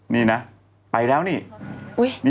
นี่นะไปแล้วนี่